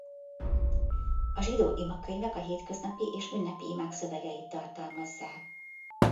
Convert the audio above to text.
A zsidó imakönyvek a hétköznapi és ünnepi imák szövegeit tartalmazzák.